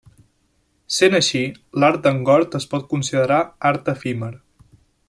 Sent així, l'art d'en Gord es pot considerar art efímer.